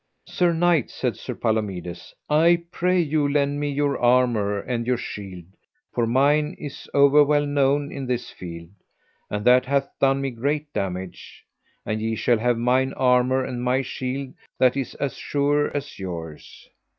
Sir knight, said Sir Palomides, I pray you to lend me your armour and your shield, for mine is over well known in this field, and that hath done me great damage; and ye shall have mine armour and my shield that is as sure as yours.